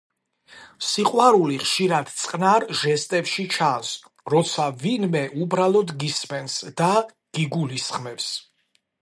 სიყვარული ხშირად წყნარ ჟესტებში ჩანს — როცა ვინმე უბრალოდ გისმენს და გიგულისხმებს.